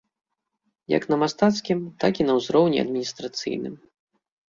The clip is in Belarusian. Як на мастацкім, так і на ўзроўні адміністрацыйным.